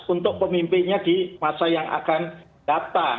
untuk pemimpinnya di masa yang akan datang